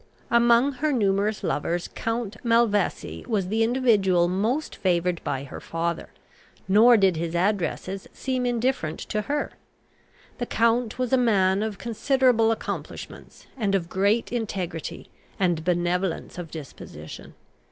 Among her numerous lovers count Malvesi was the individual most favoured by her father, nor did his addresses seem indifferent to her. The count was a man of considerable accomplishments, and of great integrity and benevolence of disposition.